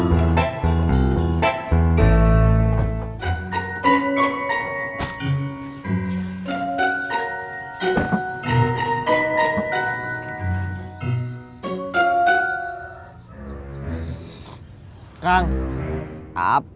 kau mau berangkat